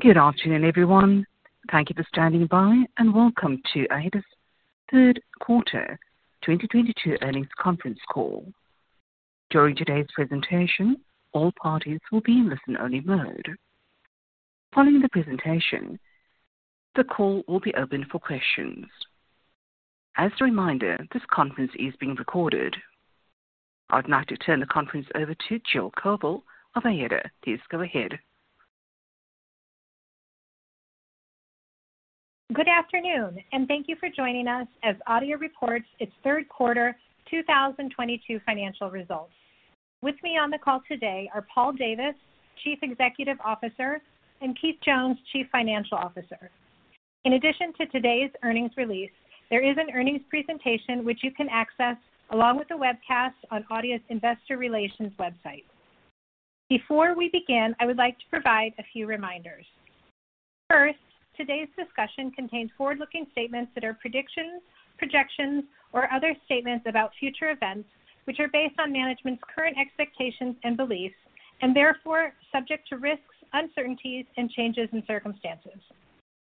Good afternoon, everyone. Thank you for standing by and welcome to Adeia's third quarter 2022 earnings conference call. During today's presentation, all parties will be in listen-only mode. Following the presentation, the call will be opened for questions. As a reminder, this conference is being recorded. I'd now like to turn the conference over to Jill Koval of Adeia. Please go ahead. Good afternoon, and thank you for joining us as Adeia reports its third quarter 2022 financial results. With me on the call today are Paul Davis, Chief Executive Officer, and Keith Jones, Chief Financial Officer. In addition to today's earnings release, there is an earnings presentation which you can access along with the webcast on Adeia's Investor Relations website. Before we begin, I would like to provide a few reminders. First, today's discussion contains forward-looking statements that are predictions, projections, or other statements about future events, which are based on management's current expectations and beliefs, and therefore subject to risks, uncertainties, and changes in circumstances.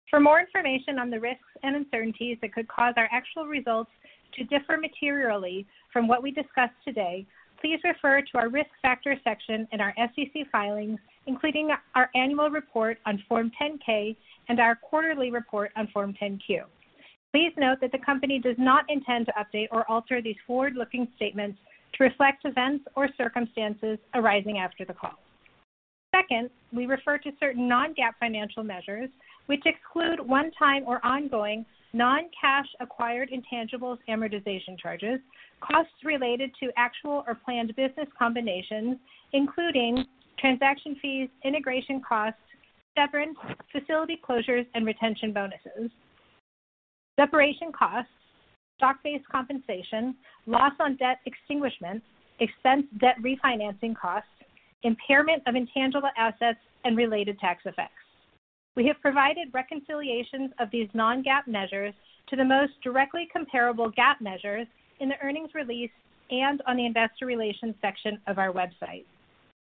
For more information on the risks and uncertainties that could cause our actual results to differ materially from what we discuss today, please refer to our Risk Factors section in our SEC filings, including our annual report on Form 10-K and our quarterly report on Form 10-Q. Please note that the company does not intend to update or alter these forward-looking statements to reflect events or circumstances arising after the call. Second, we refer to certain non-GAAP financial measures which exclude one-time or ongoing non-cash acquired intangibles amortization charges, costs related to actual or planned business combinations, including transaction fees, integration costs, severance, facility closures and retention bonuses, separation costs, stock-based compensation, loss on debt extinguishment, and debt refinancing costs, impairment of intangible assets and related tax effects. We have provided reconciliations of these non-GAAP measures to the most directly comparable GAAP measures in the earnings release and on the investor relations section of our website.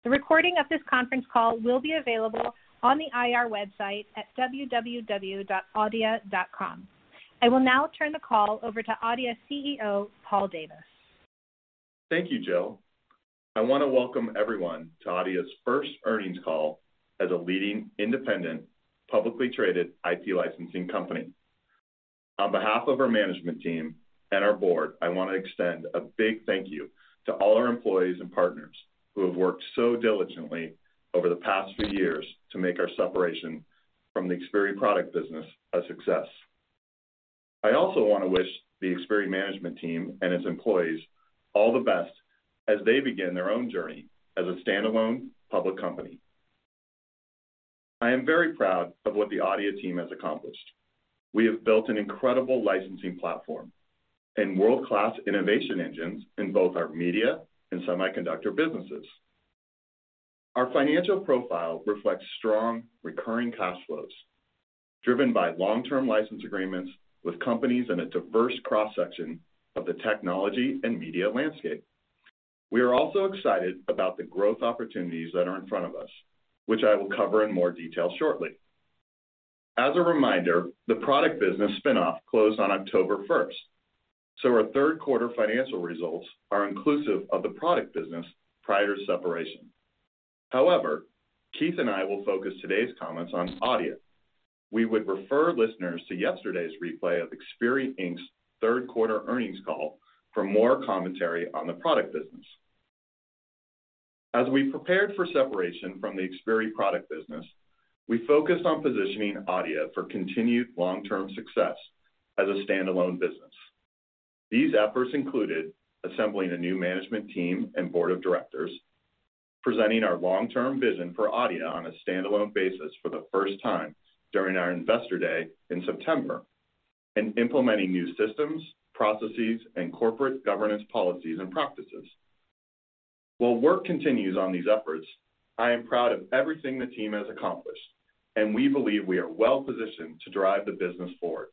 The recording of this conference call will be available on the IR website at www.adeia.com. I will now turn the call over to Adeia CEO, Paul Davis. Thank you, Jill. I want to welcome everyone to Adeia's first earnings call as a leading independent, publicly traded IP licensing company. On behalf of our management team and our board, I want to extend a big thank you to all our employees and partners who have worked so diligently over the past few years to make our separation from the Xperi product business a success. I also want to wish the Xperi management team and its employees all the best as they begin their own journey as a standalone public company. I am very proud of what the Adeia team has accomplished. We have built an incredible licensing platform and world-class innovation engines in both our media and semiconductor businesses. Our financial profile reflects strong recurring cash flows driven by long-term license agreements with companies in a diverse cross-section of the technology and media landscape. We are also excited about the growth opportunities that are in front of us, which I will cover in more detail shortly. As a reminder, the product business spin-off closed on October 1st, so our third quarter financial results are inclusive of the product business prior to separation. However, Keith and I will focus today's comments on Adeia. We would refer listeners to yesterday's replay of Xperi Inc.'s third quarter earnings call for more commentary on the product business. As we prepared for separation from the Xperi product business, we focused on positioning Adeia for continued long-term success as a standalone business. These efforts included assembling a new management team and board of directors, presenting our long-term vision for Adeia on a standalone basis for the first time during our Investor Day in September, and implementing new systems, processes, and corporate governance policies and practices. While work continues on these efforts, I am proud of everything the team has accomplished, and we believe we are well-positioned to drive the business forward.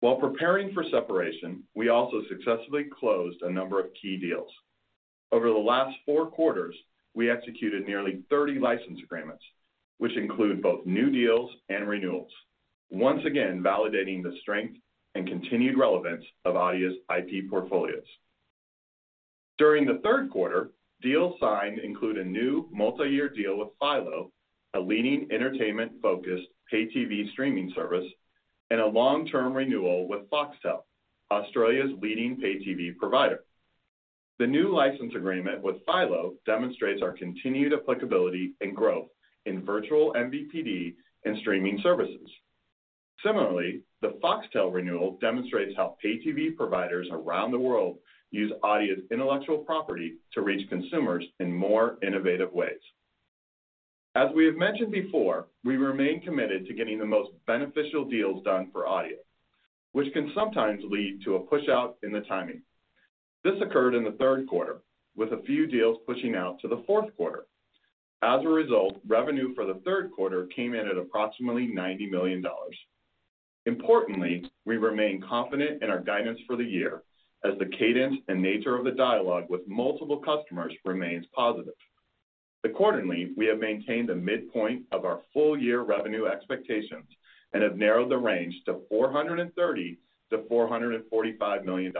While preparing for separation, we also successfully closed a number of key deals. Over the last four quarters, we executed nearly 30 license agreements, which include both new deals and renewals, once again validating the strength and continued relevance of Adeia's IP portfolios. During the third quarter, deals signed include a new multi-year deal with Philo, a leading entertainment-focused pay TV streaming service, and a long-term renewal with Foxtel, Australia's leading pay TV provider. The new license agreement with Philo demonstrates our continued applicability and growth in virtual MVPD and streaming services. Similarly, the Foxtel renewal demonstrates how pay TV providers around the world use Adeia's intellectual property to reach consumers in more innovative ways. As we have mentioned before, we remain committed to getting the most beneficial deals done for Adeia, which can sometimes lead to a pushout in the timing. This occurred in the third quarter, with a few deals pushing out to the fourth quarter. As a result, revenue for the third quarter came in at approximately $90 million. Importantly, we remain confident in our guidance for the year as the cadence and nature of the dialogue with multiple customers remains positive. Accordingly, we have maintained the midpoint of our full year revenue expectations and have narrowed the range to $430 million-$445 million.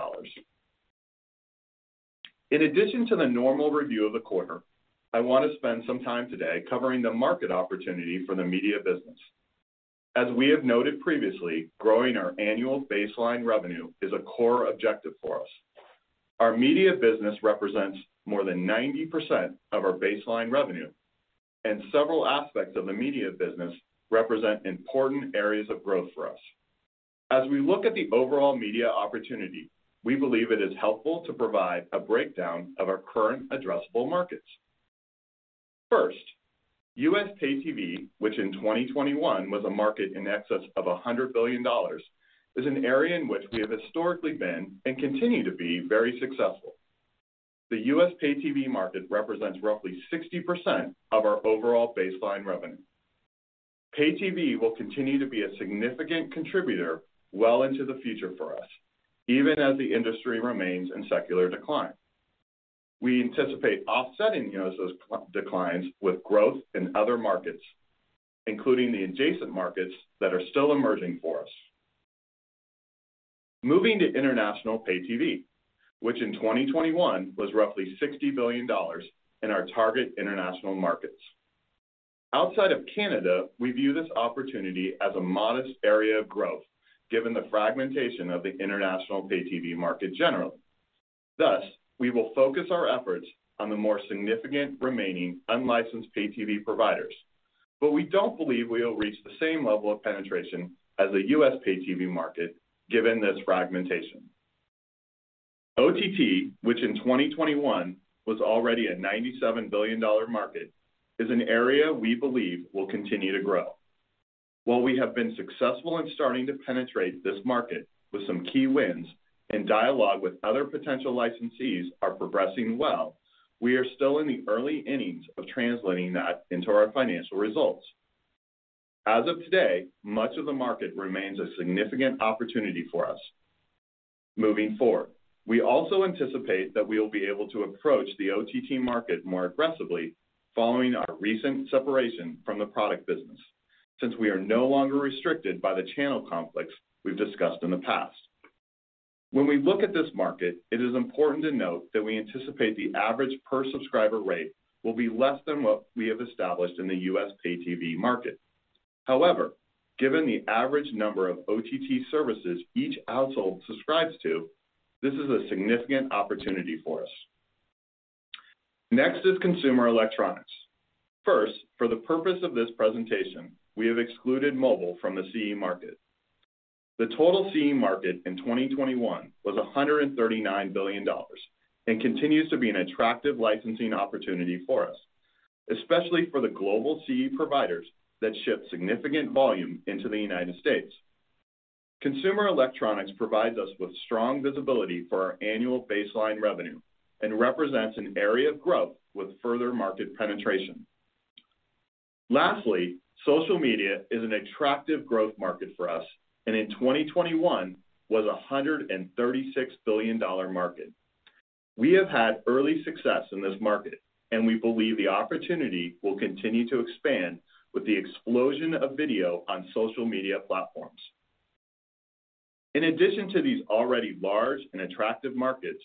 In addition to the normal review of the quarter, I want to spend some time today covering the market opportunity for the media business. As we have noted previously, growing our annual baseline revenue is a core objective for us. Our media business represents more than 90% of our baseline revenue, and several aspects of the media business represent important areas of growth for us. As we look at the overall media opportunity, we believe it is helpful to provide a breakdown of our current addressable markets. First, U.S. Pay TV, which in 2021 was a market in excess of $100 billion, is an area in which we have historically been, and continue to be, very successful. The U.S. Pay TV market represents roughly 60% of our overall baseline revenue. Pay TV will continue to be a significant contributor well into the future for us, even as the industry remains in secular decline. We anticipate offsetting those declines with growth in other markets, including the adjacent markets that are still emerging for us. Moving to international Pay TV, which in 2021 was roughly $60 billion in our target international markets. Outside of Canada, we view this opportunity as a modest area of growth given the fragmentation of the international Pay TV market generally. Thus, we will focus our efforts on the more significant remaining unlicensed Pay TV providers, but we don't believe we will reach the same level of penetration as the U.S. Pay TV market given this fragmentation. OTT, which in 2021 was already a $97 billion market, is an area we believe will continue to grow. While we have been successful in starting to penetrate this market with some key wins and dialogue with other potential licensees are progressing well, we are still in the early innings of translating that into our financial results. As of today, much of the market remains a significant opportunity for us. Moving forward, we also anticipate that we will be able to approach the OTT market more aggressively following our recent separation from the product business since we are no longer restricted by the channel conflicts we've discussed in the past. When we look at this market, it is important to note that we anticipate the average per subscriber rate will be less than what we have established in the U.S. Pay TV market. However, given the average number of OTT services each household subscribes to, this is a significant opportunity for us. Next is consumer electronics. First, for the purpose of this presentation, we have excluded mobile from the CE market. The total CE market in 2021 was $139 billion and continues to be an attractive licensing opportunity for us, especially for the global CE providers that ship significant volume into the United States. Consumer electronics provides us with strong visibility for our annual baseline revenue and represents an area of growth with further market penetration. Lastly, social media is an attractive growth market for us, and in 2021 was a $136 billion market. We have had early success in this market, and we believe the opportunity will continue to expand with the explosion of video on social media platforms. In addition to these already large and attractive markets,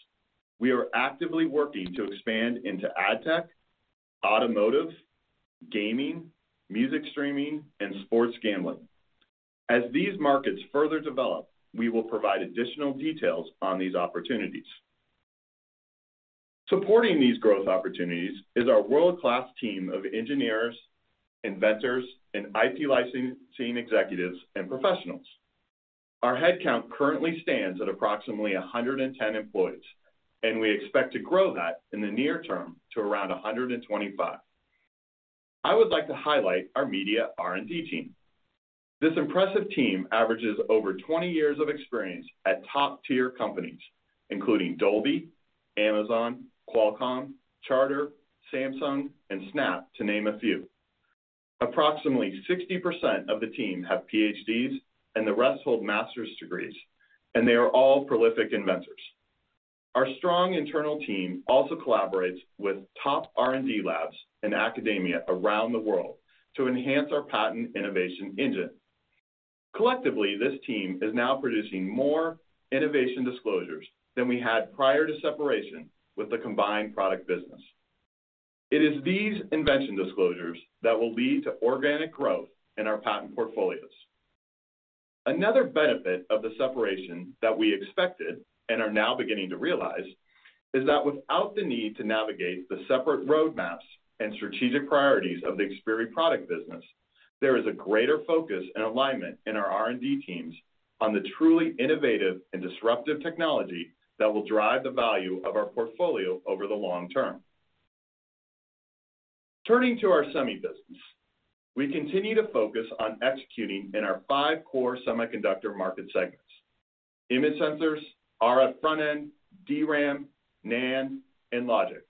we are actively working to expand into ad tech, automotive, gaming, music streaming, and sports gambling. As these markets further develop, we will provide additional details on these opportunities. Supporting these growth opportunities is our world-class team of engineers, inventors, and IP licensing executives and professionals. Our headcount currently stands at approximately 110 employees, and we expect to grow that in the near term to around 125. I would like to highlight our media R&D team. This impressive team averages over 20 years of experience at top-tier companies, including Dolby, Amazon, Qualcomm, Charter, Samsung and Snap, to name a few. Approximately 60% of the team have PhDs and the rest hold Master's degrees, and they are all prolific inventors. Our strong internal team also collaborates with top R&D labs and academia around the world to enhance our patent innovation engine. Collectively, this team is now producing more innovation disclosures than we had prior to separation with the combined product business. It is these invention disclosures that will lead to organic growth in our patent portfolios. Another benefit of the separation that we expected and are now beginning to realize is that without the need to navigate the separate roadmaps and strategic priorities of the Xperi product business, there is a greater focus and alignment in our R&D teams on the truly innovative and disruptive technology that will drive the value of our portfolio over the long term. Turning to our semi business, we continue to focus on executing in our five core semiconductor market segments. Image sensors, RF front-end, DRAM, NAND, and logic.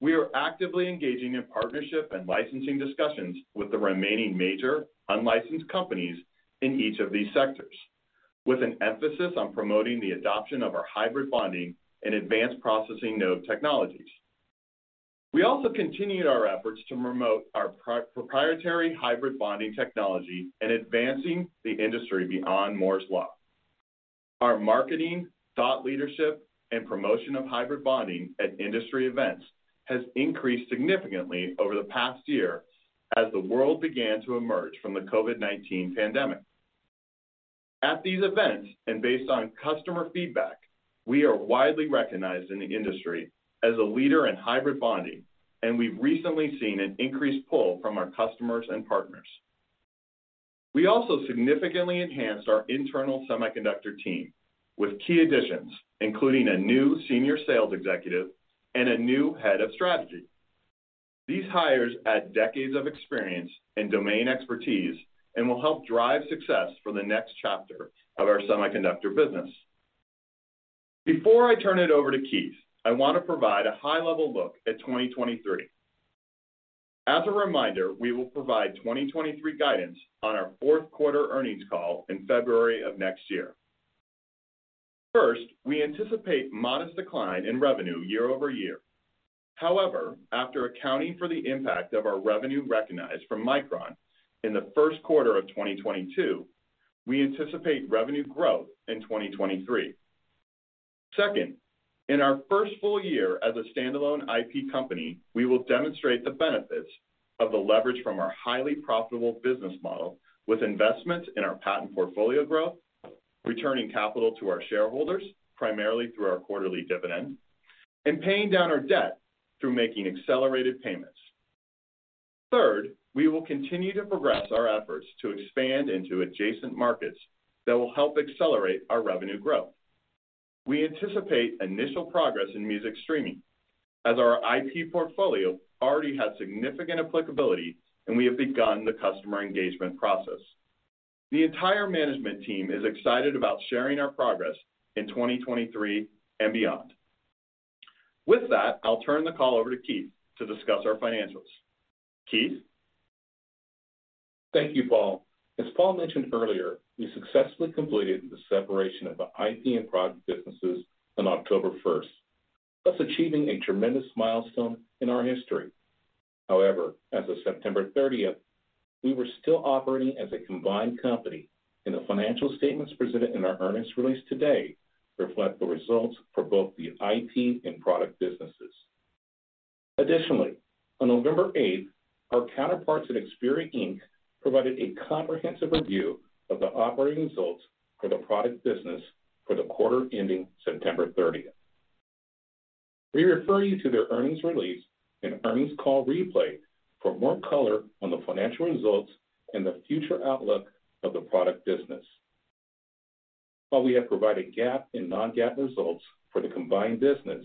We are actively engaging in partnership and licensing discussions with the remaining major unlicensed companies in each of these sectors, with an emphasis on promoting the adoption of our hybrid bonding and advanced processing node technologies. We also continued our efforts to promote our proprietary hybrid bonding technology and advancing the industry beyond Moore's Law. Our marketing, thought leadership, and promotion of hybrid bonding at industry events has increased significantly over the past year as the world began to emerge from the COVID-19 pandemic. At these events, and based on customer feedback, we are widely recognized in the industry as a leader in hybrid bonding, and we've recently seen an increased pull from our customers and partners. We also significantly enhanced our internal semiconductor team with key additions, including a new senior sales executive and a new head of strategy. These hires add decades of experience and domain expertise and will help drive success for the next chapter of our semiconductor business. Before I turn it over to Keith, I want to provide a high-level look at 2023. As a reminder, we will provide 2023 guidance on our fourth quarter earnings call in February of next year. First, we anticipate modest decline in revenue year-over-year. However, after accounting for the impact of our revenue recognized from Micron in the first quarter of 2022, we anticipate revenue growth in 2023. Second, in our first full year as a standalone IP company, we will demonstrate the benefits of the leverage from our highly profitable business model with investments in our patent portfolio growth, returning capital to our shareholders, primarily through our quarterly dividend, and paying down our debt through making accelerated payments. Third, we will continue to progress our efforts to expand into adjacent markets that will help accelerate our revenue growth. We anticipate initial progress in music streaming as our IP portfolio already has significant applicability, and we have begun the customer engagement process. The entire management team is excited about sharing our progress in 2023 and beyond. With that, I'll turn the call over to Keith to discuss our financials. Keith? Thank you, Paul. As Paul mentioned earlier, we successfully completed the separation of the IP and product businesses on October 1st, thus achieving a tremendous milestone in our history. However, as of September 30th, we were still operating as a combined company, and the financial statements presented in our earnings release today reflect the results for both the IP and product businesses. Additionally, on November 8th, our counterparts at Xperi Inc. provided a comprehensive review of the operating results for the product business for the quarter ending September 30. We refer you to their earnings release and earnings call replay for more color on the financial results and the future outlook of the product business. While we have provided GAAP and non-GAAP results for the combined business,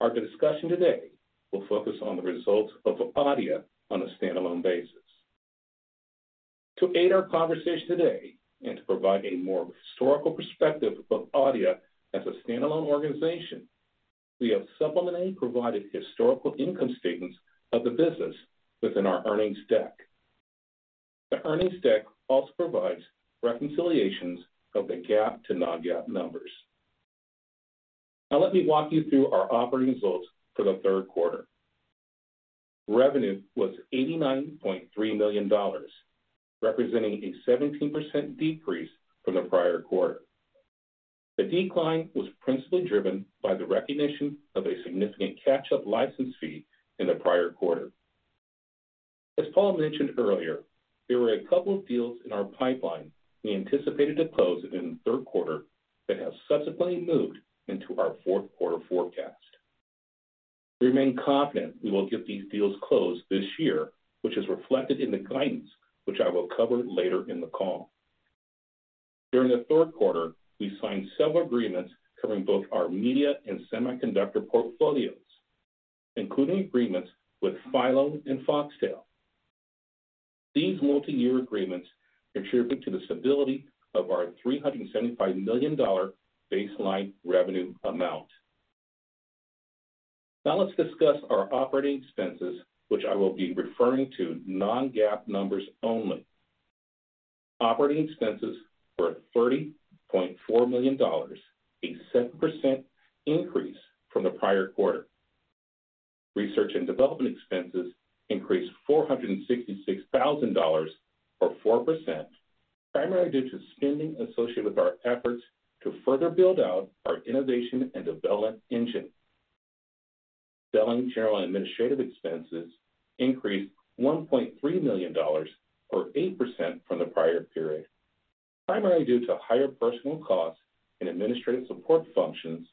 our discussion today will focus on the results of Adeia on a standalone basis. To aid our conversation today and to provide a more historical perspective of Adeia as a standalone organization, we have supplementally provided historical income statements of the business within our earnings deck. The earnings deck also provides reconciliations of the GAAP to non-GAAP numbers. Now let me walk you through our operating results for the third quarter. Revenue was $89.3 million, representing a 17% decrease from the prior quarter. The decline was principally driven by the recognition of a significant catch-up license fee in the prior quarter. As Paul mentioned earlier, there were a couple of deals in our pipeline we anticipated to close within the third quarter that have subsequently moved into our fourth quarter forecast. We remain confident we will get these deals closed this year, which is reflected in the guidance, which I will cover later in the call. During the third quarter, we signed several agreements covering both our media and semiconductor portfolios, including agreements with Philo and Foxtel. These multi-year agreements contribute to the stability of our $375 million baseline revenue amount. Now let's discuss our operating expenses, which I will be referring to non-GAAP numbers only. Operating expenses were $30.4 million, a 7% increase from the prior quarter. Research and development expenses increased $466,000, or 4%, primarily due to spending associated with our efforts to further build out our innovation and development engine. Selling, general, and administrative expenses increased $1.3 million, or 8% from the prior period, primarily due to higher personal costs and administrative support functions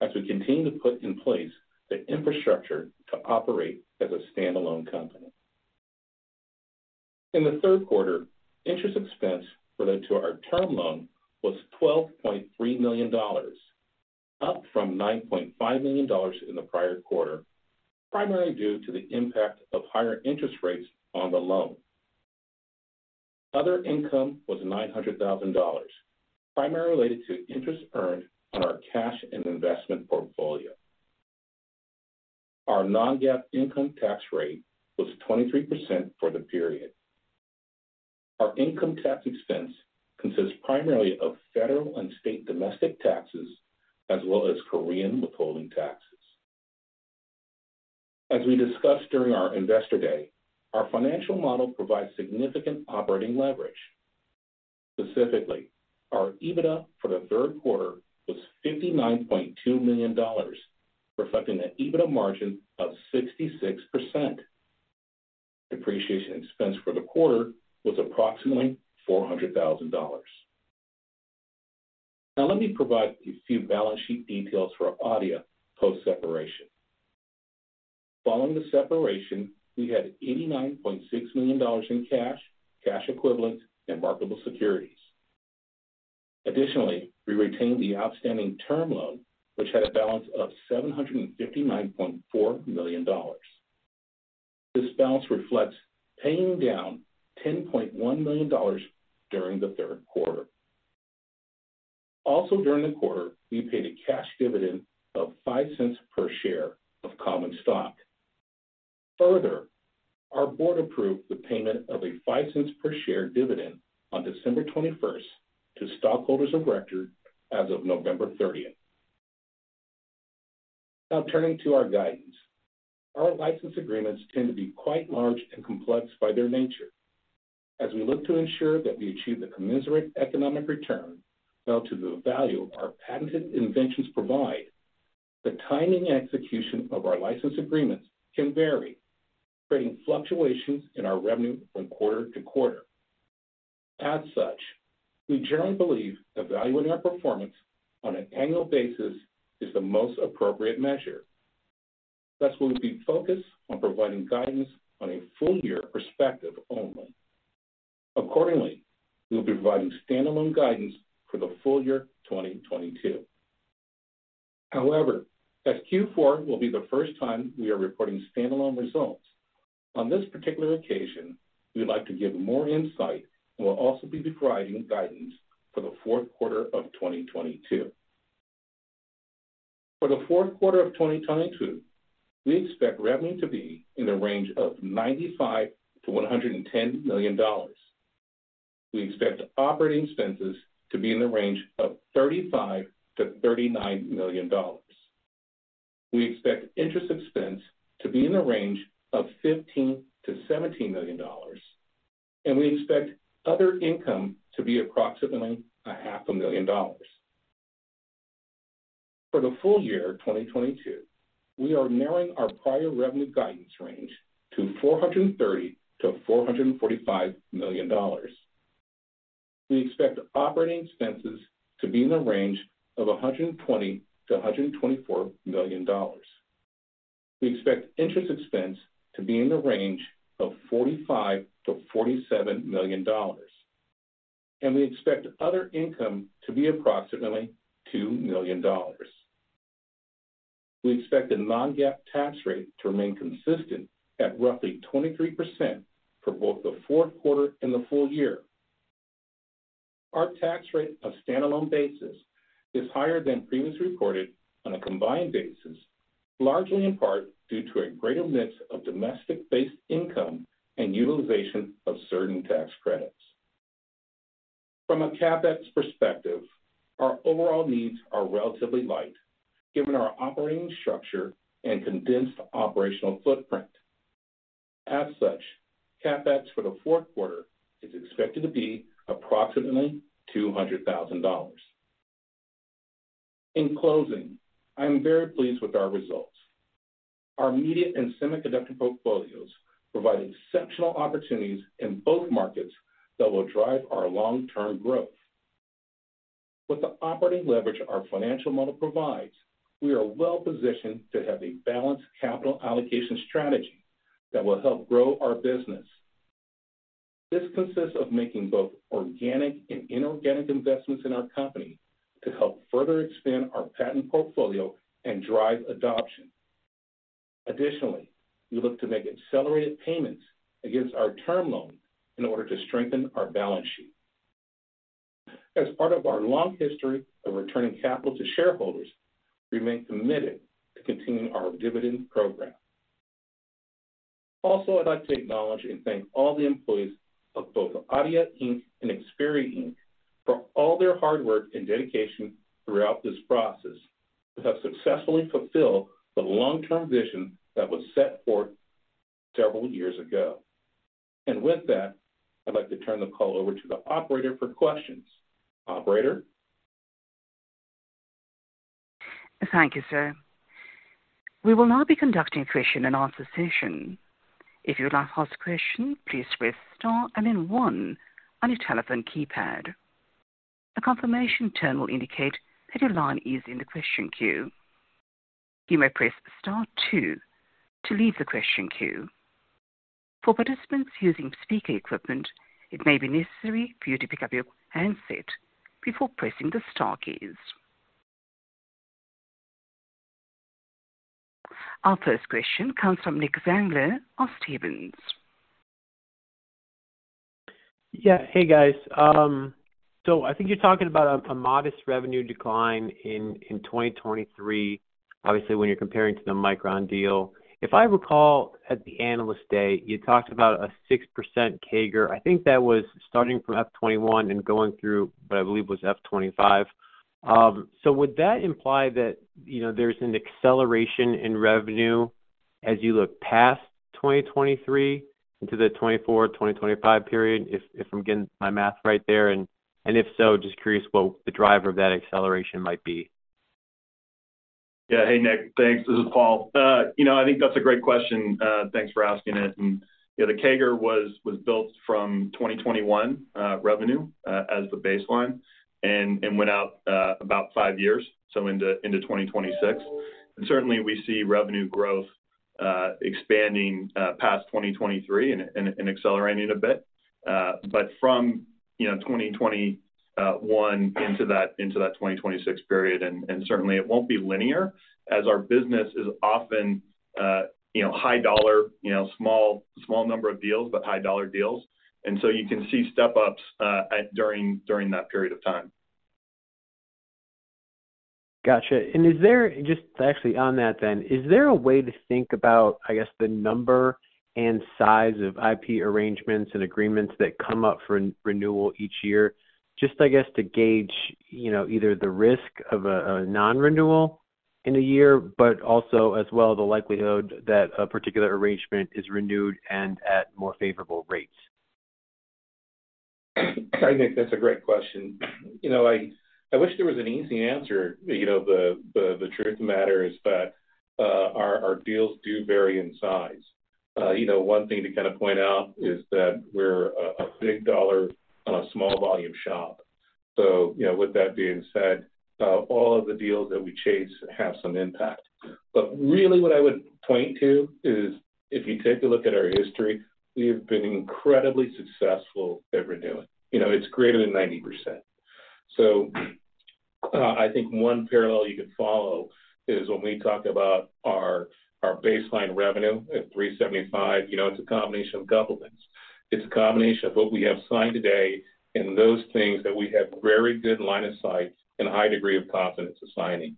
as we continue to put in place the infrastructure to operate as a standalone company. In the third quarter, interest expense related to our term loan was $12.3 million, up from $9.5 million in the prior quarter, primarily due to the impact of higher interest rates on the loan. Other income was $900 thousand, primarily related to interest earned on our cash and investment portfolio. Our non-GAAP income tax rate was 23% for the period. Our income tax expense consists primarily of federal and state domestic taxes as well as Korean withholding taxes. As we discussed during our Investor Day, our financial model provides significant operating leverage. Specifically, our EBITDA for the third quarter was $59.2 million, reflecting an EBITDA margin of 66%. Depreciation expense for the quarter was approximately $400 thousand. Now let me provide a few balance sheet details for Adeia post-separation. Following the separation, we had $89.6 million in cash equivalents, and marketable securities. Additionally, we retained the outstanding term loan, which had a balance of $759.4 million. This balance reflects paying down $10.1 million during the third quarter. Also, during the quarter, we paid a cash dividend of $0.05 per share of common stock. Further, our board approved the payment of a $0.05 per share dividend on December 21st to stockholders of record as of November 30th. Now turning to our guidance. Our license agreements tend to be quite large and complex by their nature. As we look to ensure that we achieve the commensurate economic return for the value that our patented inventions provide, the timing and execution of our license agreements can vary, creating fluctuations in our revenue from quarter-to-quarter. As such, we generally believe evaluating our performance on an annual basis is the most appropriate measure. Thus, we'll be focused on providing guidance on a full year perspective only. Accordingly, we'll be providing standalone guidance for the full year 2022. However, as Q4 will be the first time we are reporting standalone results, on this particular occasion, we'd like to give more insight, and we'll also be providing guidance for the fourth quarter of 2022. For the fourth quarter of 2022, we expect revenue to be in the range of $95 million-$110 million. We expect operating expenses to be in the range of $35 million-$39 million. We expect interest expense to be in the range of $15 million-$17 million, and we expect other income to be approximately $0.5 million. For the full year 2022, we are narrowing our prior revenue guidance range to $430 million-$445 million. We expect operating expenses to be in the range of $120 million-$124 million. We expect interest expense to be in the range of $45 million-$47 million, and we expect other income to be approximately $2 million. We expect the non-GAAP tax rate to remain consistent at roughly 23% for both the fourth quarter and the full year. Our tax rate on a standalone basis is higher than previously reported on a combined basis, largely in part due to a greater mix of domestic-based income and utilization of certain tax credits. From a CapEx perspective, our overall needs are relatively light given our operating structure and condensed operational footprint. As such, CapEx for the fourth quarter is expected to be approximately $200,000. In closing, I am very pleased with our results. Our media and semiconductor portfolios provide exceptional opportunities in both markets that will drive our long-term growth. With the operating leverage our financial model provides, we are well positioned to have a balanced capital allocation strategy that will help grow our business. This consists of making both organic and inorganic investments in our company to help further expand our patent portfolio and drive adoption. Additionally, we look to make accelerated payments against our term loan in order to strengthen our balance sheet. As part of our long history of returning capital to shareholders, we remain committed to continuing our dividend program. Also, I'd like to acknowledge and thank all the employees of both Adeia Inc. and Xperi Inc. For all their hard work and dedication throughout this process to have successfully fulfilled the long-term vision that was set forth several years ago. With that, I'd like to turn the call over to the operator for questions. Operator? Thank you, sir. We will now be conducting a question and answer session. If you would like to ask a question, please press star and then one on your telephone keypad. A confirmation tone will indicate that your line is in the question queue. You may press star two to leave the question queue. For participants using speaker equipment, it may be necessary for you to pick up your handset before pressing the star keys. Our first question comes from Nick Zangler of Stephens. Yeah. Hey, guys. So I think you're talking about a modest revenue decline in 2023, obviously, when you're comparing to the Micron deal. If I recall at the Analyst Day, you talked about a 6% CAGR. I think that was starting from FY 2021 and going through what I believe was FY 2025. So would that imply that, you know, there's an acceleration in revenue as you look past 2023 into the 2024, 2025 period, if I'm getting my math right there? If so, just curious what the driver of that acceleration might be. Yeah. Hey, Nick. Thanks. This is Paul. You know, I think that's a great question. Thanks for asking it. You know, the CAGR was built from 2021 revenue as the baseline and went out about five years, so into 2026. Certainly we see revenue growth expanding past 2023 and accelerating a bit. But from, you know, 2021 into that 2026 period, and certainly it won't be linear as our business is often, you know, high dollar, you know, small number of deals, but high dollar deals. You can see step-ups during that period of time. Gotcha. Is there just actually on that then a way to think about, I guess, the number and size of IP arrangements and agreements that come up for renewal each year? Just, I guess, to gauge, you know, either the risk of a non-renewal in a year, but also as well the likelihood that a particular arrangement is renewed and at more favorable rates. Hi, Nick, that's a great question. You know, I wish there was an easy answer. You know, the truth of the matter is that our deals do vary in size. You know, one thing to kind of point out is that we're a big dollar on a small volume shop. So, you know, with that being said, all of the deals that we chase have some impact. But really what I would point to is if you take a look at our history, we have been incredibly successful at renewing. You know, it's greater than 90%. So, I think one parallel you could follow is when we talk about our baseline revenue at $375, you know, it's a combination of a couple things. It's a combination of what we have signed today and those things that we have very good line of sight and a high degree of confidence of signing.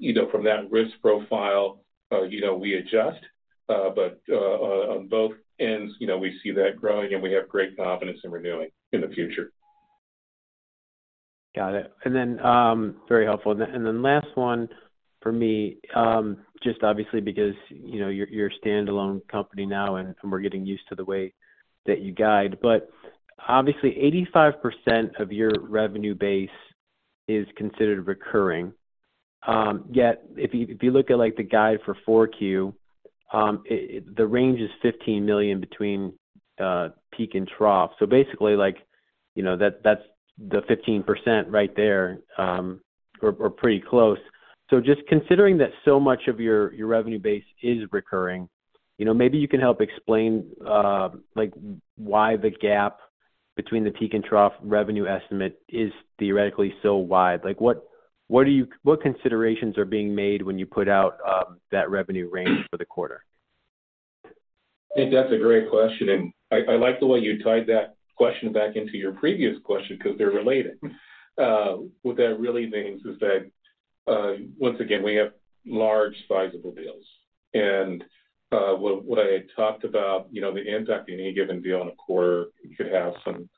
You know, from that risk profile, you know, we adjust, but on both ends, you know, we see that growing and we have great confidence in renewing in the future. Got it. Very helpful. Last one for me, just obviously because, you know, you're a standalone company now and we're getting used to the way that you guide. Obviously 85% of your revenue base is considered recurring. Yet if you look at, like, the guide for Q4, the range is $15 million between peak and trough. Basically like, you know, that's the 15% right there, or pretty close. Just considering that so much of your revenue base is recurring, you know, maybe you can help explain, like, why the gap between the peak and trough revenue estimate is theoretically so wide. Like, what considerations are being made when you put out that revenue range for the quarter? Nick, that's a great question, and I like the way you tied that question back into your previous question because they're related. What that really means is that, once again, we have large sizable deals. What I had talked about, you know, the impact of any given deal in a quarter could have some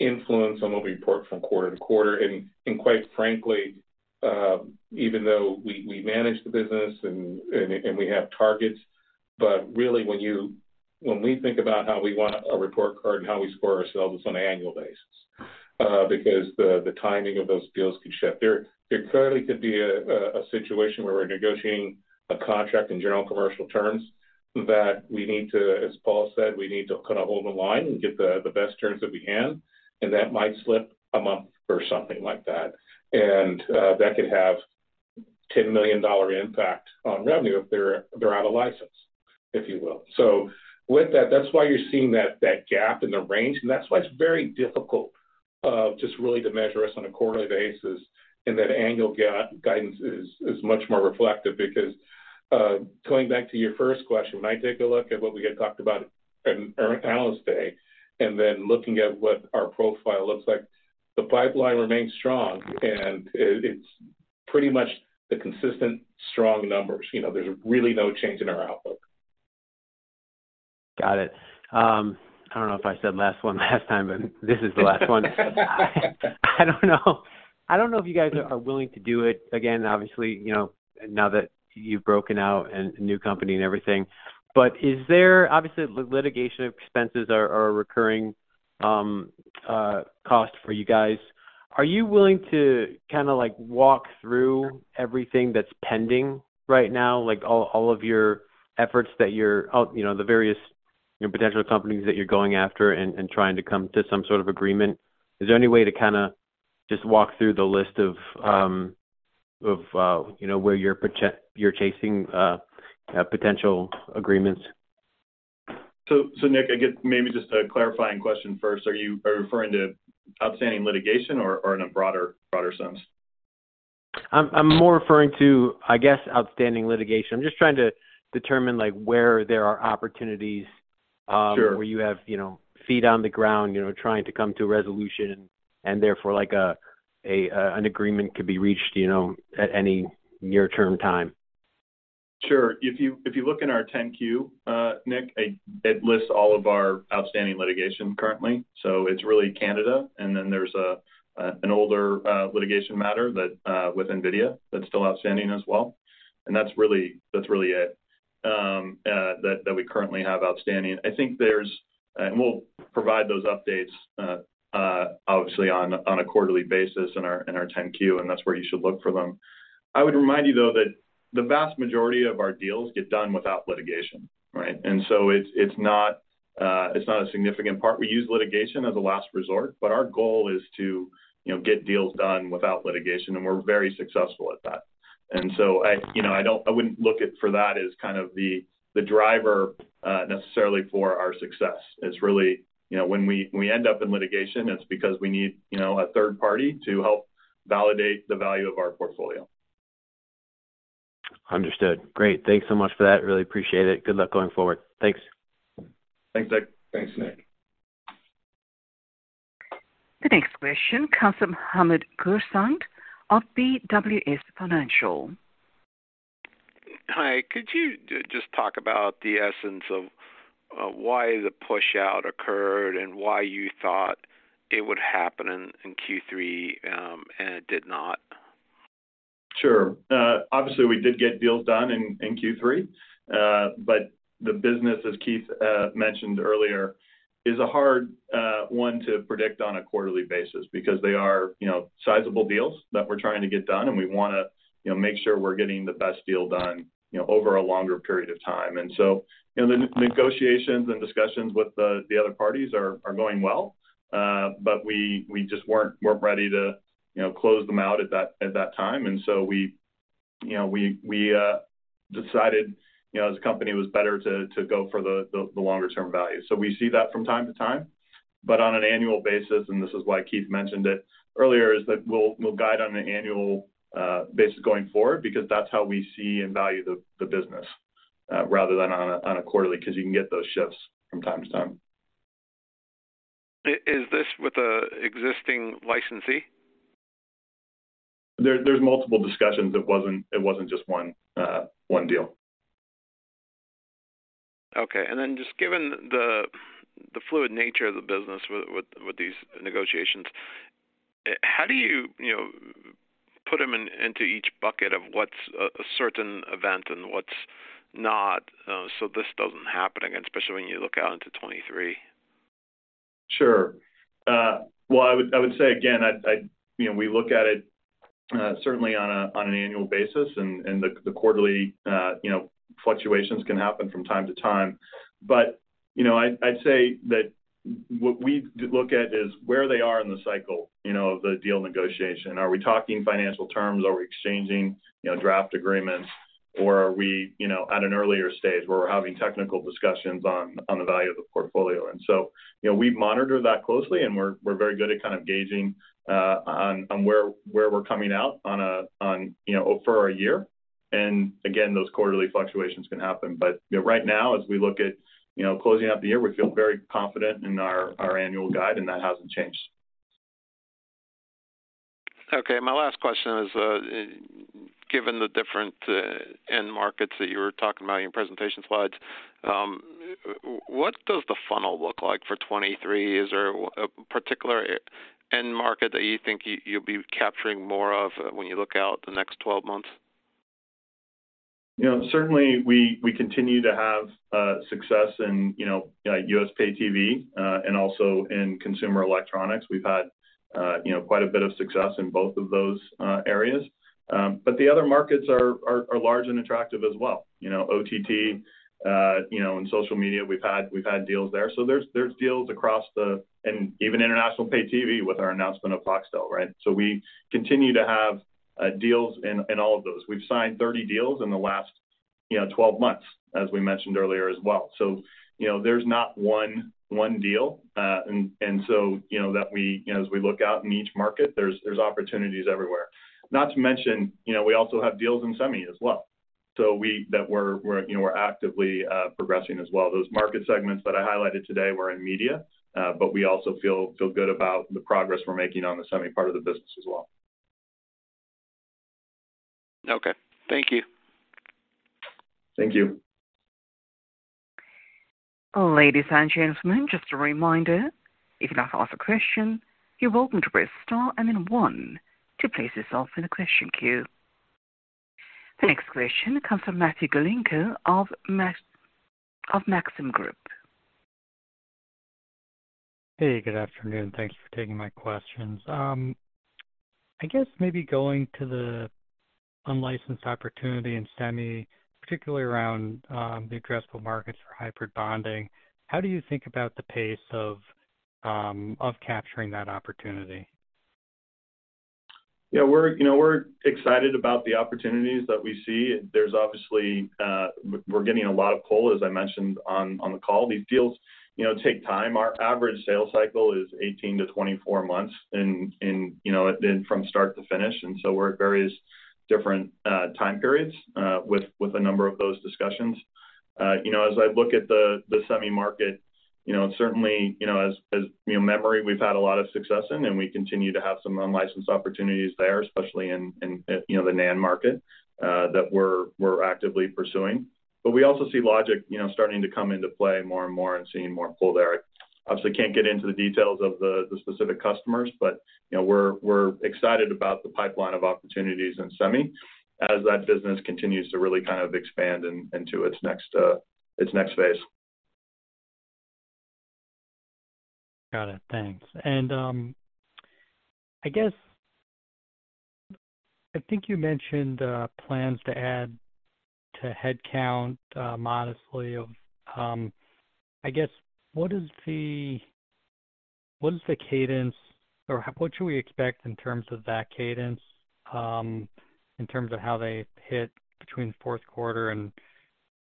influence on what we report from quarter-to-quarter. Quite frankly, even though we manage the business and we have targets, but really when we think about how we want a report card and how we score ourselves, it's on an annual basis, because the timing of those deals can shift. There clearly could be a situation where we're negotiating a contract in general commercial terms that we need to, as Paul said, kind of hold the line and get the best terms that we can, and that might slip a month or something like that. That could have $10 million impact on revenue if they're out of license, if you will. With that's why you're seeing that gap in the range, and that's why it's very difficult just really to measure us on a quarterly basis, and that annual guidance is much more reflective. Because, going back to your first question, when I take a look at what we had talked about at Analyst Day, and then looking at what our profile looks like, the pipeline remains strong and it's pretty much the consistent strong numbers. You know, there's really no change in our outlook. Got it. I don't know if I said last one last time, but this is the last one. I don't know if you guys are willing to do it again, obviously, you know, now that you've broken out and new company and everything. Is there obviously, litigation expenses are a recurring cost for you guys. Are you willing to kinda like walk through everything that's pending right now, like all of your efforts that you're, you know, the various, you know, potential companies that you're going after and trying to come to some sort of agreement? Is there any way to kinda just walk through the list of, you know, where you're chasing potential agreements? Nick, I guess maybe just a clarifying question first. Are you referring to outstanding litigation or in a broader sense? I'm more referring to, I guess, outstanding litigation. I'm just trying to determine, like, where there are opportunities. Sure where you have, you know, feet on the ground, you know, trying to come to a resolution and therefore like an agreement could be reached, you know, at any near-term time. Sure. If you look in our 10-Q, Nick, it lists all of our outstanding litigation currently. It's really Canada, and then there's an older litigation matter with NVIDIA that's still outstanding as well. That's really it that we currently have outstanding. We'll provide those updates obviously on a quarterly basis in our 10-Q, and that's where you should look for them. I would remind you, though, that the vast majority of our deals get done without litigation, right? It's not a significant part. We use litigation as a last resort, but our goal is to, you know, get deals done without litigation, and we're very successful at that. And so, you know, I wouldn't look at that as kind of the driver necessarily for our success. It's really, you know, when we end up in litigation, it's because we need, you know, a third party to help validate the value of our portfolio. Understood. Great. Thanks so much for that. Really appreciate it. Good luck going forward. Thanks. Thanks, Nick. Thanks, Nick. The next question comes from Hamed Khorsand of BWS Financial. Hi. Could you just talk about the essence of why the push out occurred and why you thought it would happen in Q3, and it did not? Sure. Obviously we did get deals done in Q3. The business, as Keith mentioned earlier, is a hard one to predict on a quarterly basis because they are, you know, sizable deals that we're trying to get done, and we wanna, you know, make sure we're getting the best deal done, you know, over a longer period of time. You know, the negotiations and discussions with the other parties are going well, but we just weren't ready to, you know, close them out at that time. We, you know, we decided, you know, as a company it was better to go for the longer term value. We see that from time to time. on an annual basis, and this is why Keith mentioned it earlier, is that we'll guide on an annual basis going forward because that's how we see and value the business rather than on a quarterly, 'cause you can get those shifts from time to time. Is this with an existing licensee? There's multiple discussions. It wasn't just one deal. Okay. Just given the fluid nature of the business with these negotiations, how do you know, put them into each bucket of what's a certain event and what's not, so this doesn't happen again, especially when you look out into 2023? Sure. Well, I would say again, I'd you know, we look at it certainly on an annual basis and the quarterly fluctuations can happen from time to time. You know, I'd say that what we look at is where they are in the cycle you know of the deal negotiation. Are we talking financial terms? Are we exchanging you know draft agreements? Or are we you know at an earlier stage where we're having technical discussions on the value of the portfolio? You know, we monitor that closely and we're very good at kind of gauging on where we're coming out on you know over a year. Again, those quarterly fluctuations can happen. You know, right now as we look at, you know, closing out the year, we feel very confident in our annual guide, and that hasn't changed. Okay. My last question is, given the different end markets that you were talking about in your presentation slides, what does the funnel look like for 2023? Is there a particular end market that you think you'll be capturing more of when you look out the next twelve months? You know, certainly we continue to have success in, you know, U.S. paid TV and also in consumer electronics. We've had, you know, quite a bit of success in both of those areas. The other markets are large and attractive as well. You know, OTT, you know, and social media we've had deals there. There's deals across and even international paid TV with our announcement of Foxtel, right? We continue to have deals in all of those. We've signed 30 deals in the last, you know, 12 months, as we mentioned earlier as well. You know, there's not one deal. You know that we, you know, as we look out in each market, there's opportunities everywhere. Not to mention, you know, we also have deals in semi as well. We're actively progressing as well. Those market segments that I highlighted today were in media, but we also feel good about the progress we're making on the semi part of the business as well. Okay. Thank you. Thank you. Ladies and gentlemen, just a reminder, if you'd like to ask a question, you're welcome to press star and then one to place yourself in the question queue. The next question comes from Matthew Galinko of Maxim Group. Hey, good afternoon. Thank you for taking my questions. I guess maybe going to the unlicensed opportunity in semi, particularly around the addressable markets for hybrid bonding, how do you think about the pace of capturing that opportunity? Yeah, we're, you know, excited about the opportunities that we see. There's obviously we're getting a lot of pull, as I mentioned on the call. These deals, you know, take time. Our average sales cycle is 18-24 months and, you know, then from start to finish, and so we're at various different time periods with a number of those discussions. You know, as I look at the semi market, you know, certainly, you know, as memory, we've had a lot of success in, and we continue to have some unlicensed opportunities there, especially in, you know, the NAND market that we're actively pursuing. We also see logic, you know, starting to come into play more and more and seeing more pull there. Obviously can't get into the details of the specific customers, but you know, we're excited about the pipeline of opportunities in semi as that business continues to really kind of expand into its next phase. Got it. Thanks. I guess I think you mentioned plans to add to headcount modestly. What is the cadence or what should we expect in terms of that cadence in terms of how they hit between fourth quarter and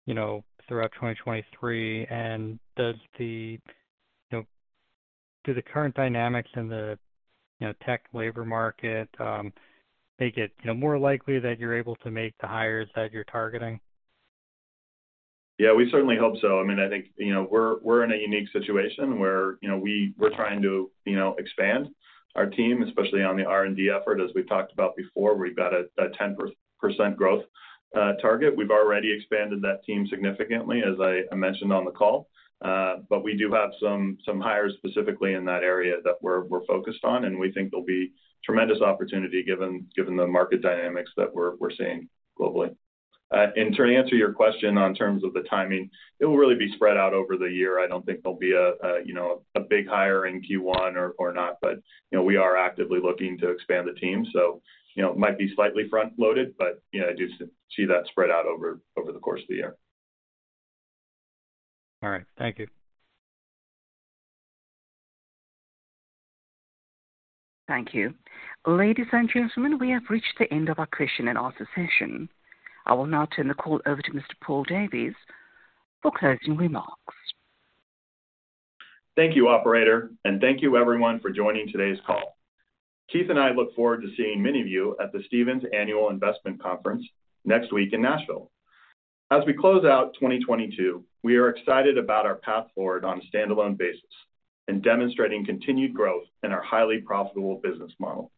you know throughout 2023? Does the current dynamics in the tech labor market make it more likely that you're able to make the hires that you're targeting? Yeah, we certainly hope so. I mean, I think, you know, we're in a unique situation where, you know, we're trying to, you know, expand our team, especially on the R&D effort. As we've talked about before, we've got a 10% growth target. We've already expanded that team significantly, as I mentioned on the call. But we do have some hires specifically in that area that we're focused on, and we think there'll be tremendous opportunity given the market dynamics that we're seeing globally. To answer your question in terms of the timing, it will really be spread out over the year. I don't think there'll be a you know a big hire in Q1 or not, but you know we are actively looking to expand the team, so you know it might be slightly front-loaded, but you know I do see that spread out over the course of the year. All right. Thank you. Thank you. Ladies and gentlemen, we have reached the end of our question and answer session. I will now turn the call over to Mr. Paul Davis for closing remarks. Thank you, operator, and thank you everyone for joining today's call. Keith and I look forward to seeing many of you at the Stephens Annual Investment Conference next week in Nashville. As we close out 2022, we are excited about our path forward on a standalone basis and demonstrating continued growth in our highly profitable business model.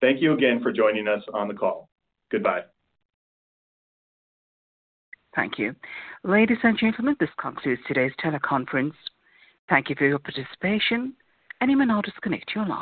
Thank you again for joining us on the call. Goodbye. Thank you. Ladies and gentlemen, this concludes today's teleconference. Thank you for your participation, and you may now disconnect your line.